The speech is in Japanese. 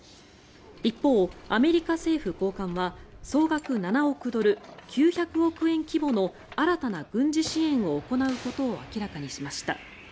一方、アメリカ政府高官は総額７億ドル９００億円規模の新たな軍事支援を行うことを明らかにしました。